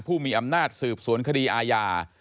ผู้มีอำนาจสืบสวนคดีอาญา